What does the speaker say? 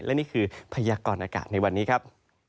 และนี่คือพยากรอากาศในวันนี้ครับ